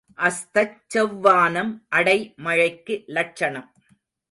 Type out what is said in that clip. அஸ்தச் செவ்வானம் அடை மழைக்கு லட்சணம்.